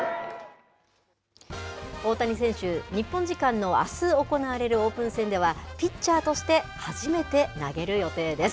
大谷選手、日本時間のあす行われるオープン戦では、ピッチャーとして初めて投げる予定です。